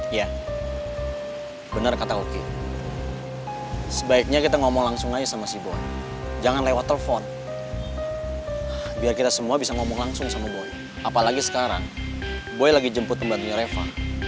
iya benar kata oki sebaiknya kita ngomong langsung aja sama si boen jangan lewat telepon biar kita semua bisa ngomong langsung sama boy apalagi sekarang boy lagi jemput pembantunya reva